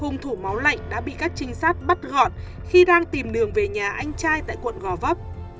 hùng thủ máu lạnh đã bị các trinh sát bắt gọn khi đang tìm đường về nhà anh trai tại quận gò vấp